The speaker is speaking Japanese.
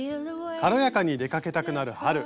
軽やかに出かけたくなる春。